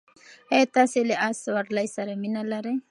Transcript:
ایا تاسې له اس سورلۍ سره مینه لرئ؟